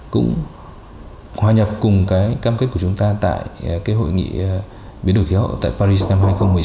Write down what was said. cũng hòa nhập cùng cái cam kết của chúng ta tại cái hội nghị biến đổi khí hậu tại paris năm hai nghìn một mươi sáu